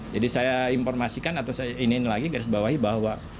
jadi saya informasikan atau saya inikan lagi garis bawahi bahwa